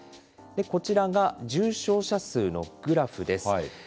こちらが重症者数のグラフです。